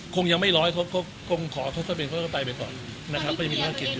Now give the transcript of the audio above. คงยังไม่ร้อยคงขอทศเวรเข้าไปก่อนนะครับ